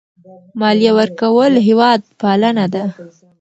مالیه ورکول هېوادپالنه ده.